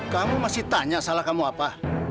kamu masih tanya salah kamu apa